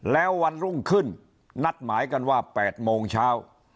แล้ววันรุ่งขึ้นนัดหมายกันว่า๘โมงเช้า